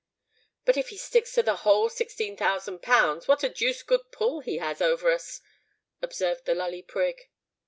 "But if he sticks to the whole sixteen thousand pounds, what a deuced good pull he has over us," observed the Lully Prig.